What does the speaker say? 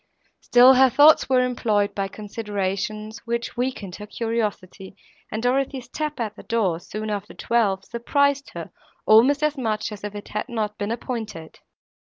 Still her thoughts were employed by considerations, which weakened her curiosity, and Dorothée's tap at the door, soon after twelve, surprised her almost as much as if it had not been appointed.